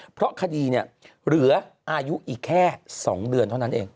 เพราะคดีเหลืออายุอีกแค่๒เดือนเท่านั้นเอง